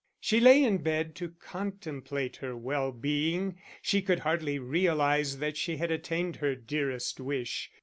She lay in bed to contemplate her well being. She could hardly realise that she had attained her dearest wish.